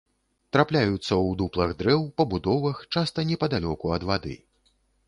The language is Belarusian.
Трапляюцца ў дуплах дрэў, пабудовах, часта непадалёку ад вады.